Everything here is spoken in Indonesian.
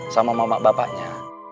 sama mamak bapaknya